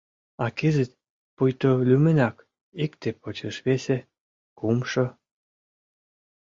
А кызыт, пуйто лӱмынак, икте почеш весе, кумшо...